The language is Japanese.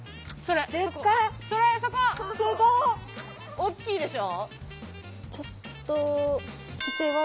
おっきいでしょ？